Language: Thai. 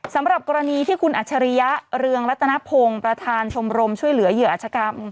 สำหรับกรณีที่คุณอัจฉริยะเรืองรัตนพงศ์ประธานชมรมช่วยเหลือเหยื่ออาชกรรม